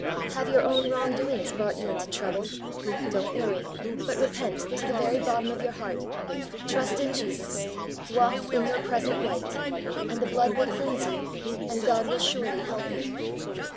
Have your own wrong doings brought you into trouble ? Don't worry, but repent HOLINESS AND WORRY 77 to the very bottom of your heart, trust in Jesus, walk in your present light, and the Blood will cleanse you, and God will surely help you.